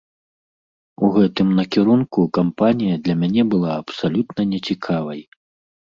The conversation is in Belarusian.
У гэтым накірунку кампанія для мяне была абсалютна нецікавай.